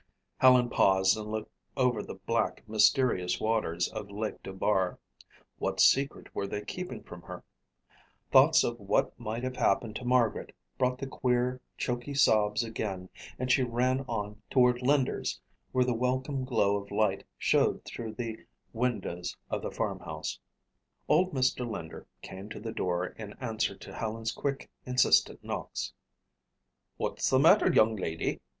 Helen paused and looked over the black, mysterious waters of Lake Dubar. What secret were they keeping from her? Thoughts of what might have happened to Margaret brought the queer, choky sobs again and she ran on toward Linder's where the welcome glow of light showed through the windows of the farmhouse. Old Mr. Linder came to the door in answer to Helen's quick, insistent knocks. "What's the matter, young Lady?"